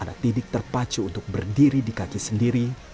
anak didik terpacu untuk berdiri di kaki sendiri